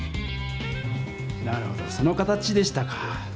なるほどその形でしたか！